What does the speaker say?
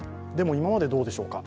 今までどうでしょうか。